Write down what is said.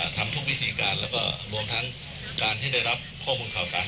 ทำทุกวิธีการแล้วก็รวมทั้งการที่ได้รับข้อมูลข่าวสาร